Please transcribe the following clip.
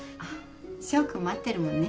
翔君待ってるもんね。